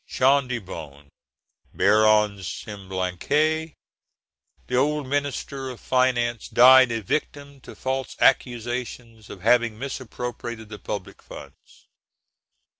Jean de Beaune, Baron de Semblançay, the old minister of finance, died a victim to false accusations of having misappropriated the public funds.